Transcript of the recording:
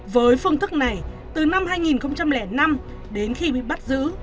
với phương thức này từ năm hai nghìn năm đến khi bị bắt giữ